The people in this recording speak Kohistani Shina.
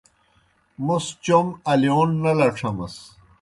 موْس چوْم الِیون نہ لڇھمَس۔